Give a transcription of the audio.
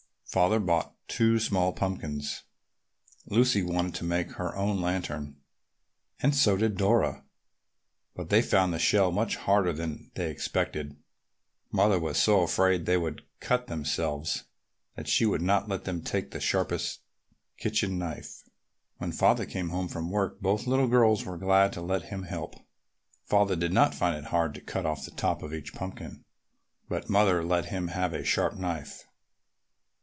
Father bought two small pumpkins. Lucy wanted to make her own lantern and so did Dora, but they found the shell much harder than they expected. Mother was so afraid they would cut themselves that she would not let them take the sharpest kitchen knife. When Father came home from work both little girls were glad to let him help them. Father did not find it hard to cut off the top of each pumpkin, but Mother let him have a sharp knife.